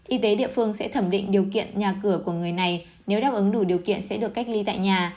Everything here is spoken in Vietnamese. y tế địa phương sẽ thẩm định điều kiện nhà cửa của người này nếu đáp ứng đủ điều kiện sẽ được cách ly tại nhà